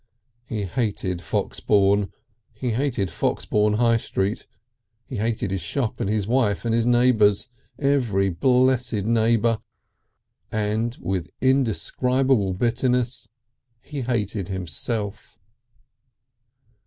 He hated Foxbourne, he hated Foxbourne High Street, he hated his shop and his wife and his neighbours every blessed neighbour and with indescribable bitterness he hated himself.